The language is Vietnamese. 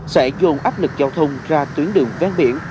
sẽ dồn áp lực giao thông ra tuyến đường ven biển